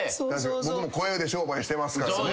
僕も声で商売してますからね。